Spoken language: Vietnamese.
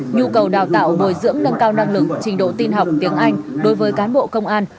nhu cầu đào tạo bồi dưỡng nâng cao năng lực trình độ tin học tiếng anh đối với cán bộ công an